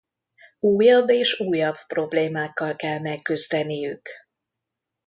Újabb és újabb problémákkal kell megküzdeniük.